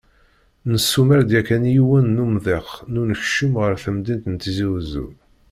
nesumer-d yakan yiwen n umḍiq n unekcum ɣar temdint n Tizi Uzzu.